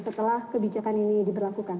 setelah kebijakan ini diperlakukan